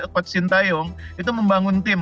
coach sintayong itu membangun tim